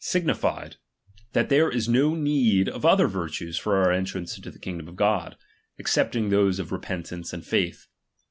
xviii signified, that there is no need of other virtues for ■"' our entrance into the kingdom of God, excepting those of repentance and faith.